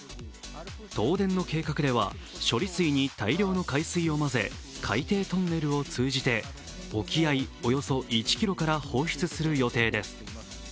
東電の計画では、処理水に大量の海水を混ぜ、海底トンネルを通じて沖合およそ１ｋｍから放出する予定です。